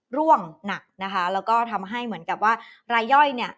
ร่วงหนักนะคะแล้วก็ทำให้เหมือนกับว่ารายย่อยเนี่ย